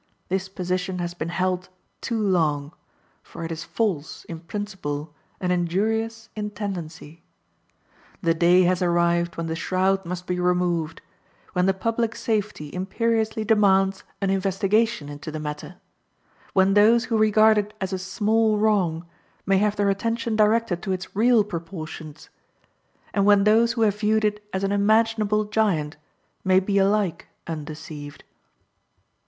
This position has been held too long, for it is false in principle and injurious in tendency. The day has arrived when the shroud must be removed; when the public safety imperiously demands an investigation into the matter; when those who regard it as a small wrong may have their attention directed to its real proportions; and when those who have viewed it as an unmanageable giant may be alike undeceived.